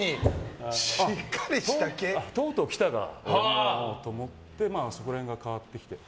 とうとう来たかと思ってそこら辺が変わってきて。